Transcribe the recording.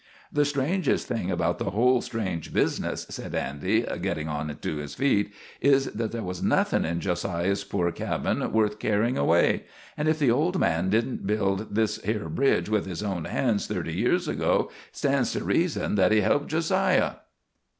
"The strangest thing about the whole strange business," said Andy, getting on to his feet, "is that there was nothing in Jo siah's poor cabin worth carrying away; and if the old man didn't build this here bridge with his own hands thirty year ago, hit stands to reason that he helped Jo siah."